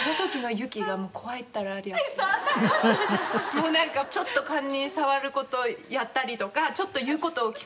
もうなんかちょっとかんに障る事をやったりとかちょっと言う事を聞かない。